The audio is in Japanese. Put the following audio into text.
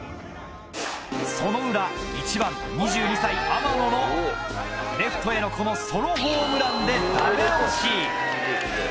その裏１番２２歳天野のレフトへのこのソロホームランでダメ押し。